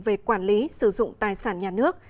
về quản lý sử dụng tài sản nhà nước